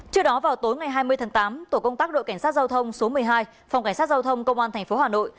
trước đó vào tối ngày hai mươi tháng tám tổ công tác đội cảnh sát giao thông số một mươi hai phòng cảnh sát giao thông công an tp hà nội